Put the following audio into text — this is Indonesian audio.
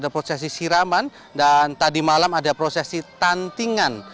prosesi siraman dan tadi malam ada prosesi tantingan